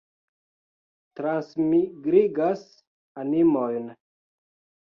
Transmigrigas animojn.